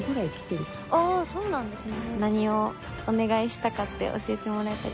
そうなんですね。